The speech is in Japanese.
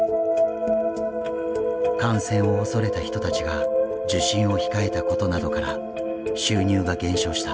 感染を恐れた人たちが受診を控えたことなどから収入が減少した。